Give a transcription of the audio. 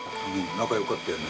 Δ仲良かったよね。